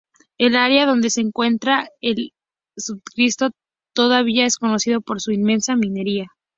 El área donde se encuentra el subdistrito todavía es conocido por su intensa minería.